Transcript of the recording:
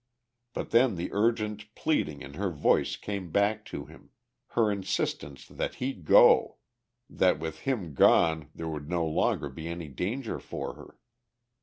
But then the urgent pleading in her voice came back to him, her insistence that he go, that with him gone there would no longer be any danger for her.